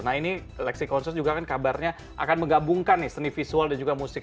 nah ini lexi konser juga kan kabarnya akan menggabungkan nih seni visual dan juga musik